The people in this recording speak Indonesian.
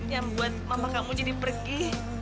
yang buat mama kamu jadi pergi